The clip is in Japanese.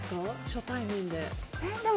初対面で。